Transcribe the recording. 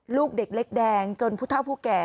ลูกเด็กเล็กแดงจนผู้เท่าผู้แก่